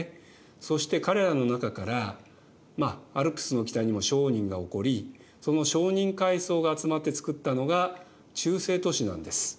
そして彼らの中からまあアルプスの北にも商人がおこりその商人階層が集まって作ったのが中世都市なんです。